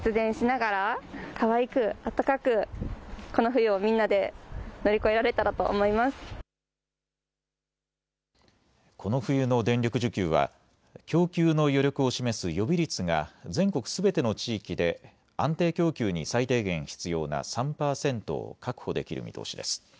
この冬の電力需給は供給の余力を示す予備率が全国すべての地域で安定供給に最低限必要な３％を確保できる見通しです。